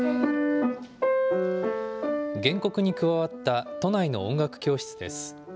原告に加わった都内の音楽教室です。